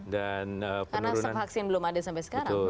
karena stok vaksin belum ada sampai sekarang